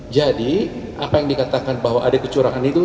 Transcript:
jadi apa yang dikatakan bahwa ada kecurangan itu